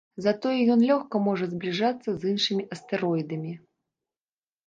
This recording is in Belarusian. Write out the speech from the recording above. Затое ён лёгка можа збліжацца з іншымі астэроідамі.